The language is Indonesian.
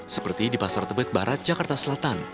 seperti di pasar tebet barat jakarta selatan